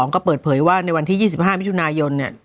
ก็เปิดเผยว่าในวันที่๒๕มิถุนายน